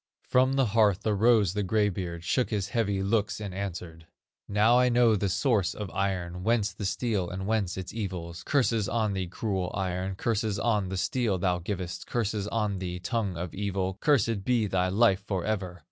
From the hearth arose the gray beard, Shook his heavy locks and answered: "Now I know the source of iron, Whence the steel and whence its evils; Curses on thee, cruel iron, Curses on the steel thou givest, Curses on thee, tongue of evil, Cursed be thy life forever!